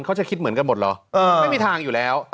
คิดเหมือนกันหมดเหรอไม่มีทางอยู่แล้ว